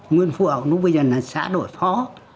nguyên phu hậu lúc bây giờ là xã đội phó